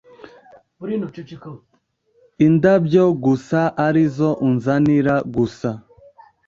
indabyo gusa - arizo unzanira gusa